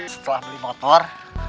setelah beli motor